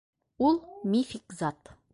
- Ул - мифик зат.